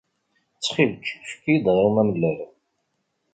Ttxil-k, efk-iyi-d aɣrum amellal.